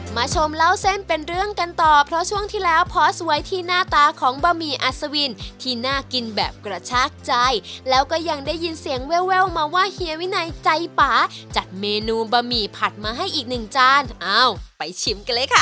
ชมเล่าเส้นเป็นเรื่องกันต่อเพราะช่วงที่แล้วพอสไว้ที่หน้าตาของบะหมี่อัศวินที่น่ากินแบบกระชากใจแล้วก็ยังได้ยินเสียงแววมาว่าเฮียวินัยใจป่าจัดเมนูบะหมี่ผัดมาให้อีกหนึ่งจานอ้าวไปชิมกันเลยค่ะ